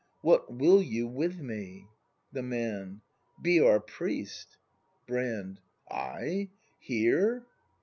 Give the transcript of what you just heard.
] What will you with me ? The Man. Be our priest. Brand. I? Here!